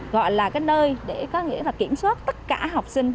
gọi là cái nơi để có nghĩa là kiểm soát tất cả học sinh